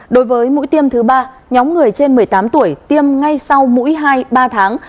đối với mũi tiêm thứ ba nhóm người trên một mươi tám tuổi tiêm ngay sau mũi hai ba tháng